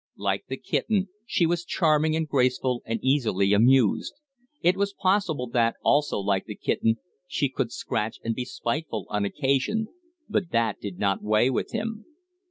Like the kitten, she was charming and graceful and easily amused; it was possible that, also like the kitten, she could scratch and be spiteful on occasion, but that did not weigh with him.